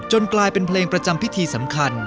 กลายเป็นเพลงประจำพิธีสำคัญ